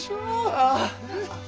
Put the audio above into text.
ああ！